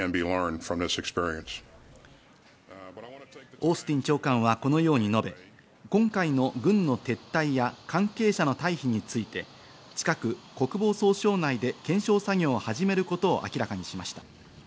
オースティン長官は、このように述べ、今回の軍の撤退や関係者の退避について近く国防総省内で検証作業を始めることを明らかにしました。